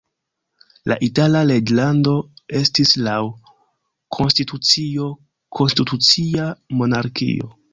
La Itala reĝlando estis laŭ konstitucio konstitucia monarkio.